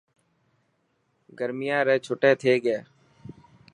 گرميان ري ڇٽي ٿي گئي.